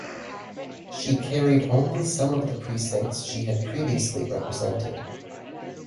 She carried only some of the precincts she had previously represented.